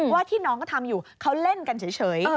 ว่าที่น้องก็ทำอยู่เขาเล่นกันเฉย